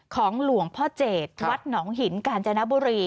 ของหลวงพ่อเจดวัดหนองหินกาญจนบุรี